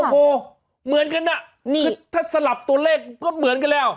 โอ้โหเหมือนกันน่ะคือถ้าสลับตัวเลขก็เหมือนกันแล้ว